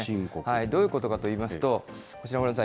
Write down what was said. どういうことかといいますと、こちらご覧ください。